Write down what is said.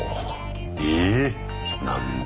ええ何だ？